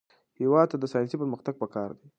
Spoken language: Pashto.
هېواد ته ساینسي پرمختګ پکار دی